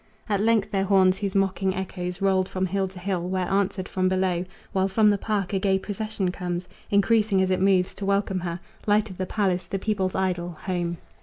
At length their horns, whose mocking echoes Rolled from hill to hill, were answered from below, While from the park a gay procession comes, Increasing as it moves, to welcome her, Light of the palace, the people's idol, home.